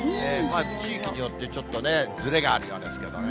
地域によってちょっとね、ずれがあるようですけどね。